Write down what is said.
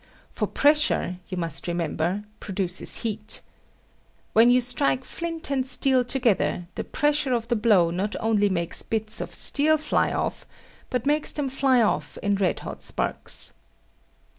For pressure, you must remember, produces heat. When you strike flint and steel together, the pressure of the blow not only makes bits of steel fly off, but makes them fly off in red hot sparks.